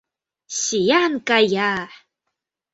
— Сӱан кая!